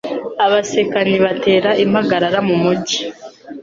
Abasekanyi batera impagarara mu mugi